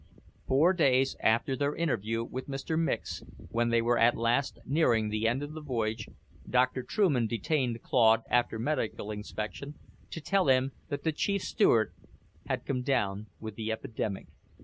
Four day after their interview with Mr. Micks, when they were at last nearing the end of the voyage, Doctor Trueman detained Claude after medical inspection to tell him that the Chief Steward had come down with the epidemic.